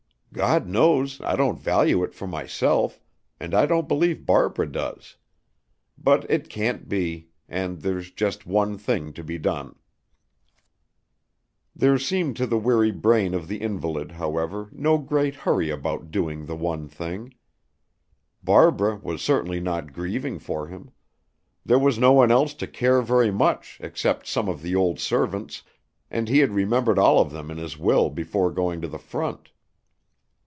"God knows I don't value it for myself, and I don't believe Barbara does. But it can't be. And there's just one thing to be done." There seemed to the weary brain of the invalid, however, no great hurry about doing the one thing. Barbara was certainly not grieving for him. There was no one else to care very much except some of the old servants, and he had remembered all of them in his will before going to the front.